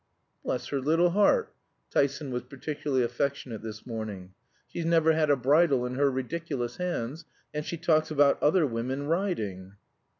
"Bless her little heart!" (Tyson was particularly affectionate this morning) "she's never had a bridle in her ridiculous hands, and she talks about 'other women riding.'"